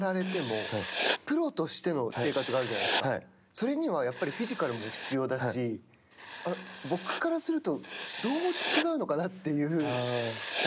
それにはやっぱりフィジカルも必要だし、僕からするとどう違うのかなっていう。